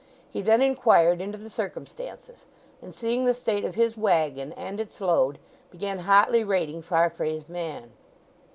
He then inquired into the circumstances; and seeing the state of his waggon and its load began hotly rating Farfrae's man.